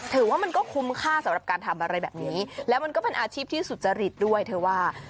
ถือว่ามันก็คุ้มค่าสำหรับการทำอะไรแบบนี้แล้วมันก็เป็นอาชีพที่สุจริตด้วยเธอว่า